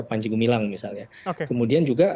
panji gumilang misalnya kemudian juga